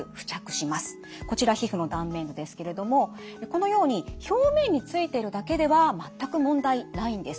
こちら皮膚の断面図ですけれどもこのように表面についてるだけでは全く問題ないんです。